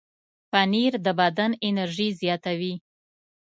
پنېر د بدن انرژي زیاتوي.